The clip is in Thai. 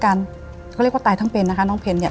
เขาเรียกว่าตายทั้งเป็นนะคะน้องเพนเนี่ย